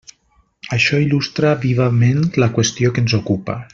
Això il·lustra vivament la qüestió que ens ocupa.